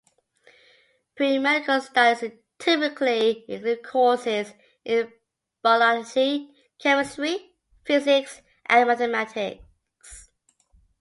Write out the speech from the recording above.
Pre-medical studies typically include courses in biology, chemistry, physics, and mathematics.